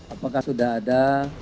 apakah sudah ada